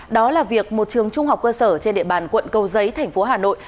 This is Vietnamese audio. đó là việc một trường trung học cơ sở trên địa bàn quận cầu giấy thành phố hà nội